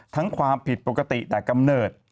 ความผิดปกติแต่กำเนิด